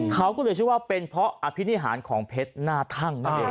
เขาก็เลยชื่อว่าเป็นเพราะอภิตนิหารของเพชรน่าทั่ง